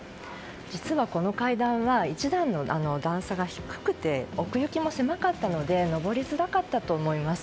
実はこの階段は１段の段差が低くて奥行きも狭かったので上りづらかったと思います。